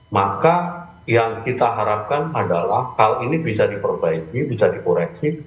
maka yang kita harapkan adalah hal ini bisa diperbaiki bisa dikoreksi